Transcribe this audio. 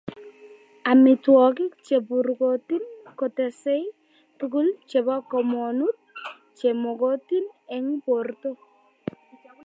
Amitwogik che burukotin kotesei tuguk chebo komonut che mogotin eng borto